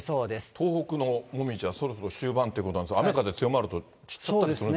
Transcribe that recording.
東北のもみじはそろそろ終盤ということなんですが、雨風強まると散っちゃったりしますよね。